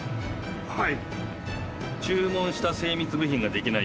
はい。